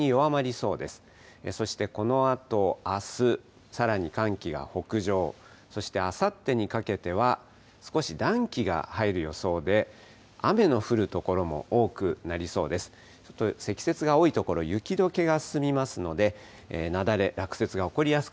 そしてこのあとあす、さらに寒気が北上、そしてあさってにかけては少し暖気が入る予想で、雨の降る所も多くなりそうです。